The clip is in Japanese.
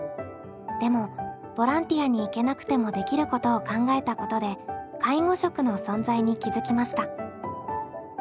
でもボランティアに行けなくてもできることを考えたことで介護食の存在に気付きました。